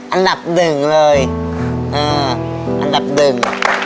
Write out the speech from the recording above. อันดับหนึ่งเลยเอออันดับหนึ่ง